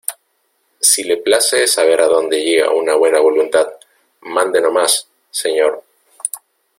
si le place saber a dónde llega una buena voluntad, mande no más , señor.